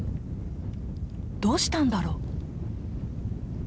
どうしたんだろう？